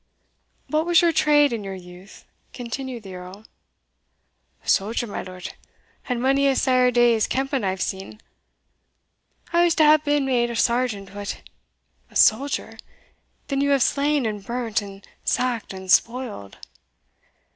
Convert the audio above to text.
"What was your trade in your youth?" continued the Earl. "A soldier, my lord; and mony a sair day's kemping I've seen. I was to have been made a sergeant, but" "A soldier! then you have slain and burnt, and sacked and spoiled?"